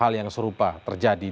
apa yang akan terjadi